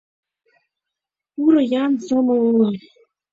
— Пуро-ян, сомыл уло!